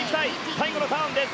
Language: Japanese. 最後のターンです。